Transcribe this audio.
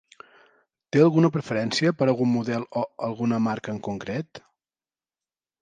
Té alguna preferència per algún model o alguna marca en concret?